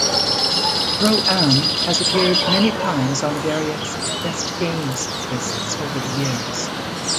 Pro-Am" has appeared many times on various "best games" lists over the years.